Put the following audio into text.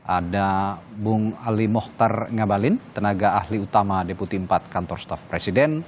ada bung ali mohtar ngabalin tenaga ahli utama deputi empat kantor staff presiden